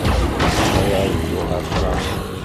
Bɣiɣ ad dduɣ ɣer Fransa.